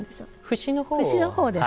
節のほうで。